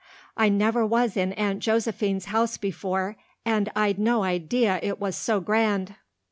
"I never was in Aunt Josephine's house before, and I'd no idea it was so grand.